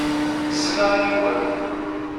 Ssneɣ yiwen.